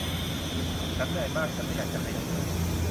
ฉันเหนื่อยมากฉันไม่อยากจะขยับเลย